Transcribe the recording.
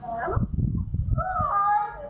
เอาให้